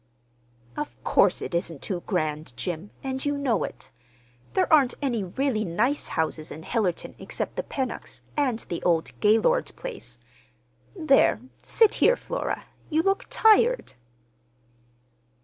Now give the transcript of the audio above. "Of course it isn't too grand, Jim, and you know it. There aren't any really nice houses in Hillerton except the Pennocks' and the old Gaylord place. There, sit here, Flora. You look tired."